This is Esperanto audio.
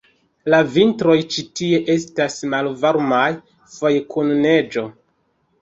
La vintroj ĉi tie estas malvarmaj, foje kun neĝo.